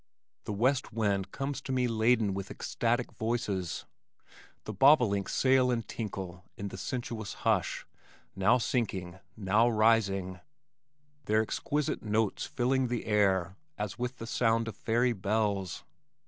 The west wind comes to me laden with ecstatic voices. The bobolinks sail and tinkle in the sensuous hush, now sinking, now rising, their exquisite notes filling the air as with the sound of fairy bells.